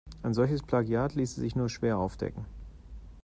Ein solches Plagiat ließe sich nur schwer aufdecken.